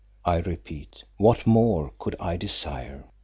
I repeat: what more could I desire?